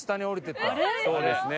そうですね。